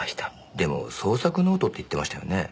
でも創作ノートって言ってましたよね？